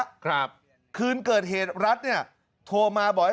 ได้สักเดือนนึงล่ะครับคืนเกิดเหตุรัฐเนี่ยโทรมาบอกให้